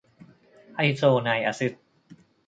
ไอโซไนอะซิด